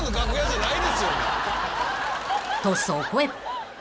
［とそこへ］